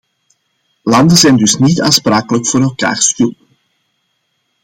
Landen zijn dus niet aansprakelijk voor elkaars schulden.